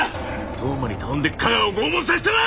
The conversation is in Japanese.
当麻に頼んで架川を拷問させたな！